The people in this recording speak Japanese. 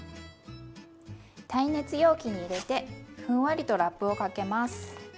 耐熱容器に入れてふんわりとラップをかけます。